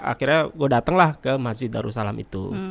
akhirnya gue dateng lah ke masjid darussalam itu